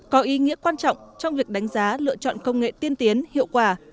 có ý nghĩa quan trọng trong việc đánh giá lựa chọn công nghệ tiên tiến hiệu quả